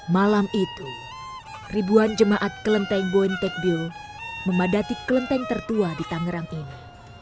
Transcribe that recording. malam itu ribuan jemaat kelenteng boen tekbio memadati kelenteng tertua di tangerang ini